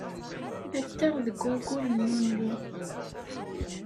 Ad t-taɣ deg wayyur n Yunyu.